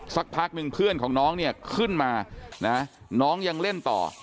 สักพักนึงเพื่อนของน้องเนี่ยขึ้นมานะน้องยังเล่นต่อ